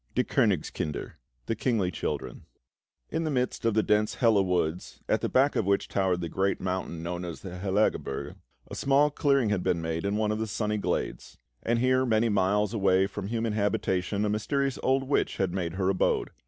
DIE KÖNIGSKINDER (The Kingly Children) In the midst of the dense Hella Woods, at the back of which towered the great mountain known as the Hellagebirge, a small clearing had been made in one of the sunny glades; and here, many miles away from human habitation, a mysterious old witch had made her abode.